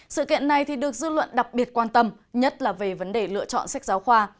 sự kiện này được dư luận đặc biệt quan tâm nhất là về vấn đề lựa chọn sách giáo khoa